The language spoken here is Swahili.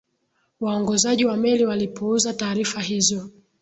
waongozaji wa meli walipuuza taarifa hizo